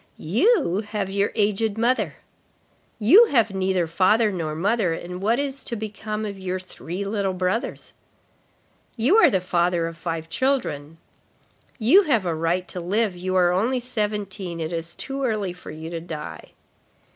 —"You have your aged mother."—" You have neither father nor mother, and what is to become of your three little brothers?"—"You are the father of five children."—"You have a right to live, you are only seventeen, it is too early for you to die."